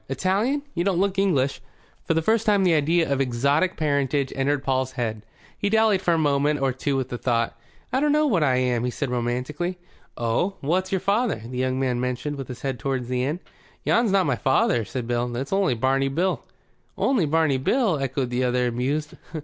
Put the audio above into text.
Italian? You don't look English." For the first time the idea of exotic parentage entered Paul's head. He dallied for a moment or two with the thought. "I dunno what I am," he said romantically. "Oh? What's your father?" The young man motioned with his head toward the inn. "Yon's not my father," said Paul. "It's only Barney Bill." "Only Barney Bill?" echoed the other, amused.